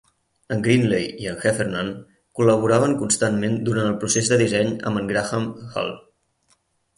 En Greenley i en Heffernan col·laboraven constantment durant el procés de disseny amb en Graham Hull.